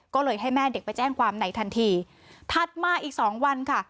ก็เลยให้แม่เด็กไปแจ้งความไหนทันทีถัดมาอีกสองวันค่ะ